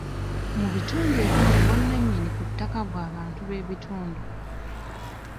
Mu bitundu ebimu obwannanyini ku ttaka bwa bantu b'ekitundu.